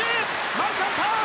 マルシャン、ターン！